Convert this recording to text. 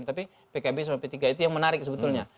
tapi pkb sama p tiga itu yang menarik sebetulnya